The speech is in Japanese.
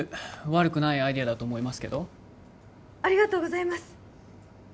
悪くないアイデアだと思いますけどありがとうございます